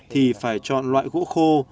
thì phải chọn loại gỗ khô